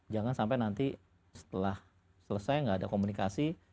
jangan sampai nanti setelah selesai nggak ada komunikasi